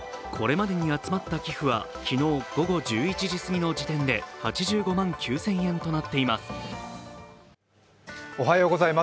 これまでに集まった寄付は昨日午後１１時過ぎの時点で８５万９０００円となっています。